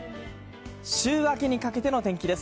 週明けにかけての天気です。